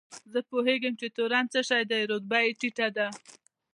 زه پوهېږم چې تورن څه شی دی، رتبه یې ټیټه ده.